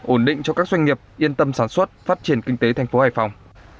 ổn định cho các doanh nghiệp yên tâm sản xuất phát triển kinh tế thành phố hải phòng